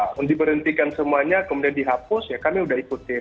untuk diberhentikan semuanya kemudian dihapus ya kami sudah ikuti